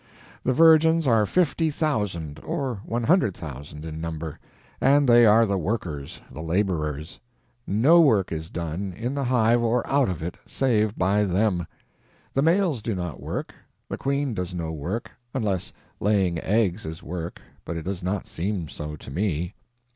The virgins are fifty thousand or one hundred thousand in number, and they are the workers, the laborers. No work is done, in the hive or out of it, save by them. The males do not work, the queen does no work, unless laying eggs is work, but it does not seem so to me.